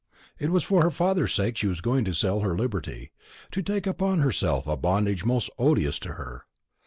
It was for her father's sake she was going to sell her liberty, to take upon herself a bondage most odious to her.